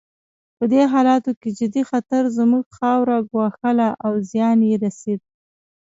په دې حالاتو کې جدي خطر زموږ خاوره ګواښله او زیان یې رسېد.